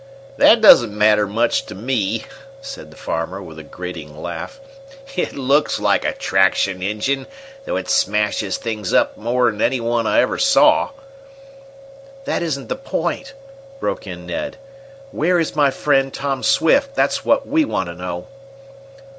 "That doesn't matter much to me," said the farmer, with a grating laugh. "It looks like a traction engine, though it smashes things up more'n any one I ever saw." "That isn't the point," broke in Ned. "Where is my friend, Tom Swift? That's what we want to know."